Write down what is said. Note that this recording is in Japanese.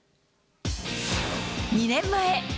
２年前。